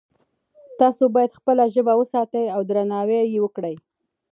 تاسو باید خپله ژبه وساتئ او درناوی یې وکړئ